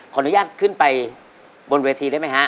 อนุญาตขึ้นไปบนเวทีได้ไหมฮะ